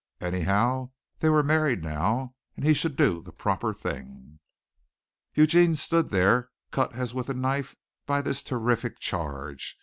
Anyhow they were married now, and he should do the proper thing. Eugene stood there cut as with a knife by this terrific charge.